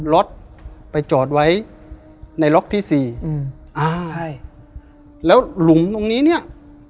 รถไปจอดไว้ในล็อกที่สี่อืมอ่าใช่แล้วหลุมตรงนี้เนี้ย